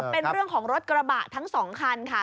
เป็นเรื่องของรถกระบะทั้งสองคันค่ะ